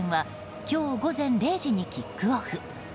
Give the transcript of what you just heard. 今日午前０時にキックオフ。